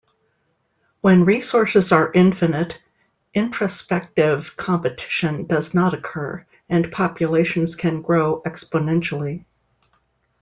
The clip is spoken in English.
When resources are infinite, intraspecific competition does not occur and populations can grow exponentially.